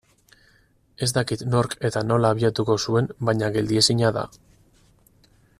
Ez dakit nork eta nola abiatuko zuen baina geldiezina da.